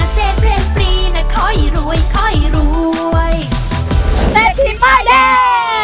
เซธีป้ายแดง